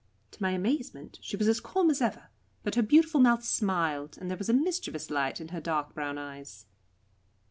To my amazement she was as calm as ever, but her beautiful mouth smiled, and there was a mischievous light in her dark brown eyes.